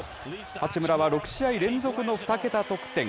八村は６試合連続の２桁得点。